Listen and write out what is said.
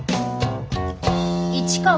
市川！